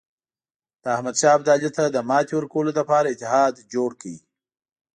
د احمدشاه ابدالي ته د ماتې ورکولو لپاره اتحاد جوړ کړي.